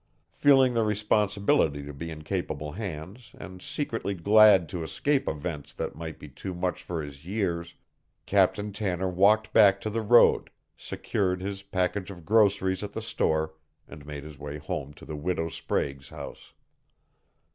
Feeling the responsibility to be in capable hands and secretly glad to escape events that might be too much for his years, Captain Tanner walked back to the road, secured his package of groceries at the store, and made his way home to the widow Sprague's house.